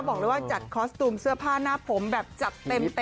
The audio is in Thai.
บอกเลยว่าจัดคอสตูมเสื้อผ้าหน้าผมแบบจัดเต็ม